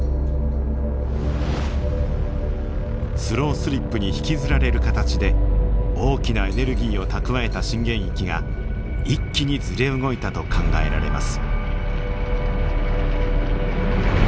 スロースリップに引きずられる形で大きなエネルギーを蓄えた震源域が一気にずれ動いたと考えられます。